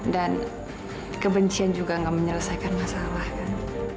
dan kebencian juga nggak menyelesaikan masalah kan